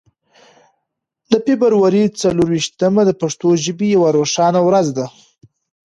د فبرورۍ څلور ویشتمه د پښتو ژبې یوه روښانه ورځ ده.